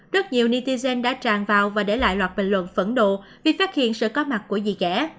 rất nhiều netizen đã tràn vào và để lại loạt bình luận phẫn nộ vì phát hiện sự có mặt của dì ghẻ